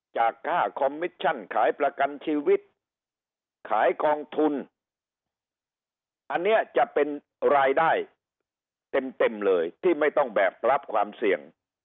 ค่าคอมมิชชั่นขายประกันชีวิตขายกองทุนอันนี้จะเป็นรายได้เต็มเลยที่ไม่ต้องแบกรับความเสี่ยง